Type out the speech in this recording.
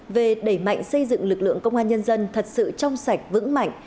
về đẩy mạnh xây dựng lực lượng công an nhân dân thật sự trong sạch vững mạnh